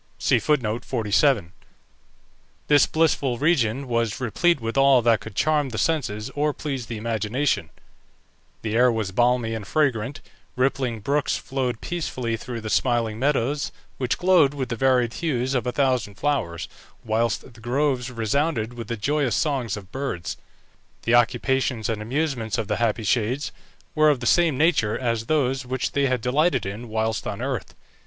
This blissful region was replete with all that could charm the senses or please the imagination; the air was balmy and fragrant, rippling brooks flowed peacefully through the smiling meadows, which glowed with the varied hues of a thousand flowers, whilst the groves resounded with the joyous songs of birds. The occupations and amusements of the happy shades were of the same nature as those which they had delighted in whilst on earth.